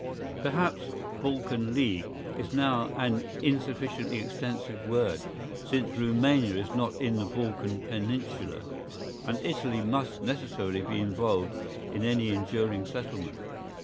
Perhaps "Balkan League" is now an insufficiently extensive word, since Rumania is not in the Balkan Peninsula, and Italy must necessarily be involved in any enduring settlement.